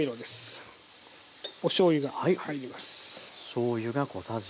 おしょうゆが入ります。